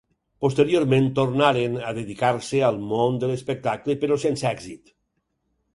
Posteriorment tornaren a dedicar-se al món de l'espectacle però sense èxit.